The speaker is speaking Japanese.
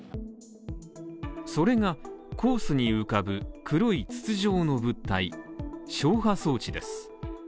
それがコースに浮かぶ黒い筒状の物体消波装置です